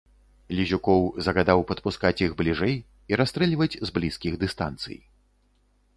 Лізюкоў загадаў падпускаць іх бліжэй і расстрэльваць з блізкіх дыстанцый.